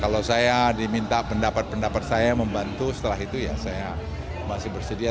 kalau saya diminta pendapat pendapat saya membantu setelah itu ya saya masih bersedia